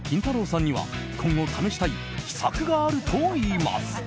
さんには今後、試したい秘策があるといいます。